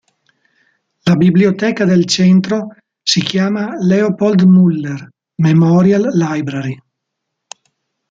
La biblioteca del Centro si chiama Leopold Muller Memorial Library.